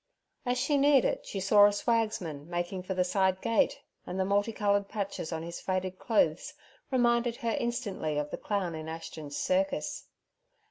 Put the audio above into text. As she neared it she saw a swagsman making for the side gate, and the multi coloured patches on his faded clothes reminded her instantly of the clown in Ashton's circus.